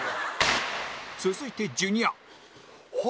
続いてジュニア